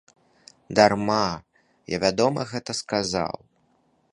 Дарма, я вядома, гэта сказаў.